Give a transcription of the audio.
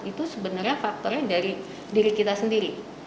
itu sebenarnya faktornya dari diri kita sendiri